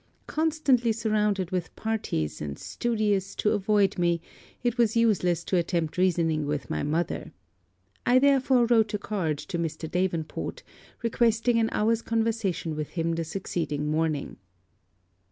Constantly surrounded with parties, and studious to avoid me, it was useless to attempt reasoning with my mother. I therefore wrote a card to Mr. Davenport, requesting an hour's conversation with him the succeeding morning.